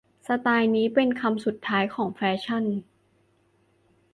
สไตล์นี้เป็นคำสุดท้ายของแฟชั่น